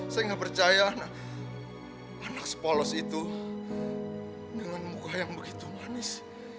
saya nggak percaya anak polos itu dengan muka yang begitu manis